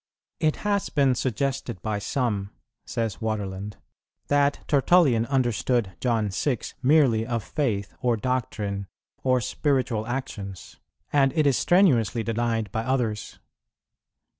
"[24:2] "It has been suggested by some," says Waterland, "that Tertullian understood John vi. merely of faith, or doctrine, or spiritual actions; and it is strenuously denied by others."